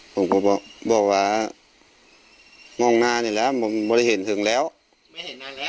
ผมก็บอกว่ามองหน้านี่แล้วมองไม่ได้เห็นถึงแล้วไม่เห็นนานแล้ว